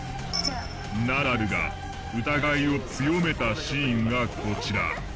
ナダルが疑いを強めたシーンがこちら。